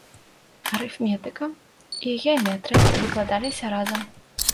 Арыфметыка і геаметрыя выкладаліся разам.